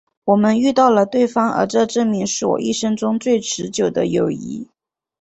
我们遇到了对方而这证明是我一生中最持久的友谊。